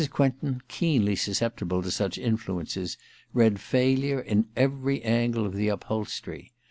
Quentin, keenly susceptible to such influences, read failure in every angle of the upholstery.